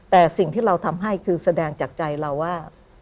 แต่สิ่งที่เราทำให้คือแสดงจากใจเราว่า